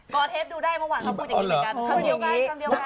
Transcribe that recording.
ก่อเทปดูได้เมื่อวานเค้าพูดอย่างนี้ด้วยกันอ๋อเหรอ